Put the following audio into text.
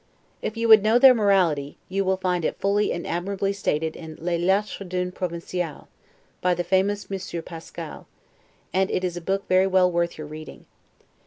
If you would know their morality, you will find it fully and admirably stated in 'Les Lettres d'un Provincial', by the famous Monsieur Pascal; and it is a book very well worth your reading.